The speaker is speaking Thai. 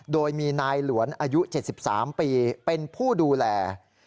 โดยมีนายหลวนอายุ๗๓ปีเป็นผู้ดูแล